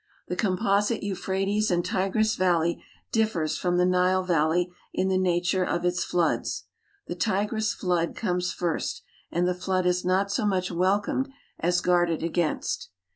The composite Euphrates and Tigris valley differs from the Nile valley in the nature of its floods. The Tigris flood comes first, and the flood is not so much welcomed as guarded against.